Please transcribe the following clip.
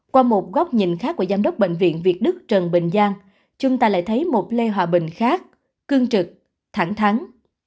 qua một góc nhìn khác của giám đốc bệnh viện việt đức trần bình giang chúng ta lại thấy một lê hòa bình khác cương trực thẳng thắng